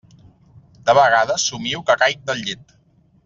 De vegades somio que caic del llit.